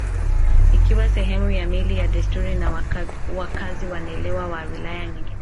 ikiwa sehemu ya mila na desturi za wakazi wa Newala na wilaya nyingine jirani